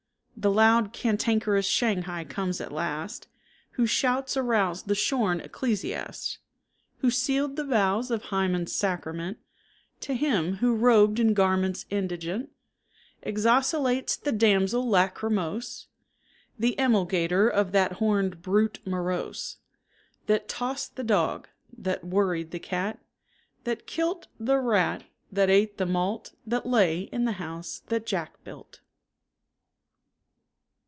The loud cantankerous Shanghai comes at last, Whose shouts aroused the shorn ecclesiast, Who sealed the vows of Hymen's sacrament, To him, who, robed in garments indigent, Exosculates the damsel lachrymose, The emulgator of that horned brute morose, That tossed the dog, that worried the cat, that kilt The rat that ate the malt that lay in the house that Jack built.